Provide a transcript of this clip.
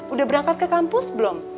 udah berangkat ke kampus belum